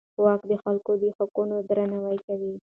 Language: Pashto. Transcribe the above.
واک د خلکو د حقونو درناوی کوي.